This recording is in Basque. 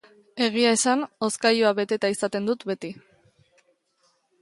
Egia esan, hozkailua beteta izaten dut beti.